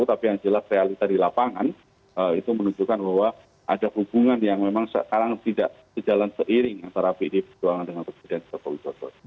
tapi yang jelas realita di lapangan itu menunjukkan bahwa ada hubungan yang memang sekarang tidak sejalan seiring antara pdi perjuangan dengan presiden jokowi dodo